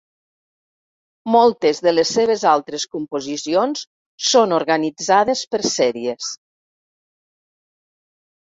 Moltes de les seves altres composicions són organitzades per sèries.